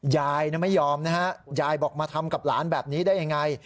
ยายไม่ยอมนะฮะยายบอกมาทำกับหลานแบบนี้ได้ยังไง